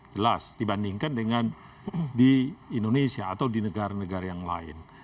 jelas dibandingkan dengan di indonesia atau di negara negara yang lain